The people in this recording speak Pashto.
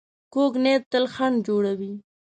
کوږ نیت تل خنډ جوړوي